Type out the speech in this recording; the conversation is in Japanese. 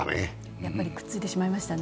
やっぱりくっついてしまいましたね。